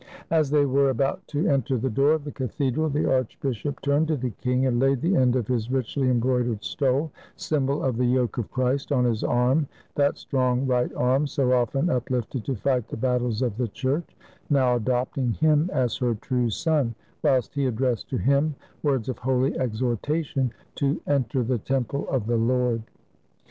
As they were about to enter the door of the cathedral, the archbishop turned to the king and laid the end of his richly embroidered stole, symbol of the yoke of Christ, on his arm, that strong right arm, so often uplifted to fight the battles of the Church, now adopting him as her true son, whilst he addressed to him words of holy exhortation to "enter the temple of the Lord."